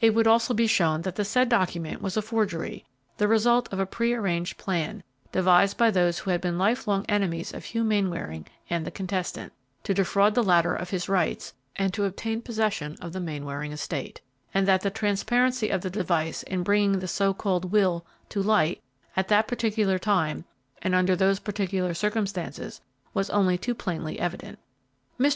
It would also be shown that the said document was a forgery, the result of a prearranged plan, devised by those who had been lifelong enemies of Hugh Mainwaring and the contestant, to defraud the latter of his rights, and to obtain possession of the Mainwaring estate; and that the transparency of the device in bringing the so called will to light at that particular time and under those particular circumstances was only too plainly evident. Mr.